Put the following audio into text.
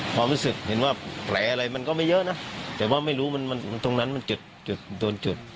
ความรู้สึกเห็นว่าแผลอะไรมันก็ไม่เยอะนะแต่ว่าไม่รู้มันตรงนั้นมันจุดจุดโดนจุด